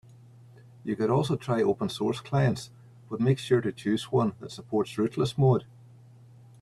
You can also try open source clients, but make sure to choose one that supports rootless mode.